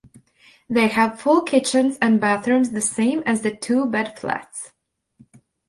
They have full kitchens and bathrooms the same as the two-bed flats.